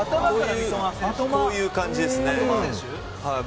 こういう感じですね。